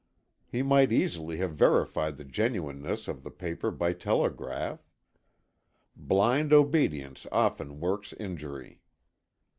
He might easily have verified the genuineness of the paper by telegraph. Blind obedience often works injury.